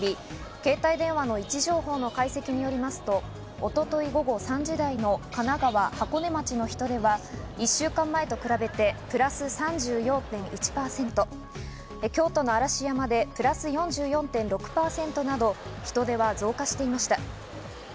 携帯電話の位置情報の解析によりますと、一昨日午後３時台の神奈川・箱根町の人出は１週間前と比べてプラス３４．１％、京都の嵐山でプラス４４．６％など、人出は増加していました。